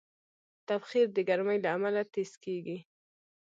تبخیر د ګرمۍ له امله تېز کېږي.